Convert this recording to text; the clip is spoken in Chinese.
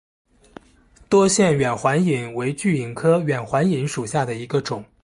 多腺远环蚓为巨蚓科远环蚓属下的一个种。